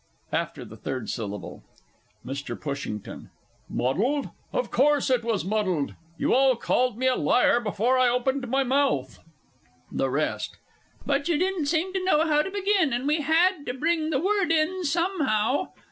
AFTER THE THIRD SYLLABLE. MR. PUSHINGTON. Muddled? Of course it was muddled you all called me a liar before I opened my mouth! THE REST. But you didn't seem to know how to begin, and we had to bring the Word in somehow.